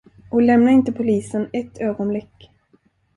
Och lämna inte polisen ett ögonblick.